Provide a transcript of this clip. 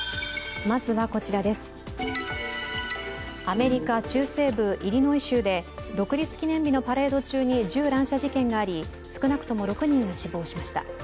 アメリカ中西部イリノイ州で独立記念日のパレード中に銃乱射事件があり少なくとも６人が死亡しました。